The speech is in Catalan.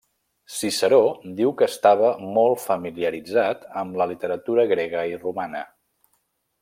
Ciceró diu que estava molt familiaritzat amb la literatura grega i romana.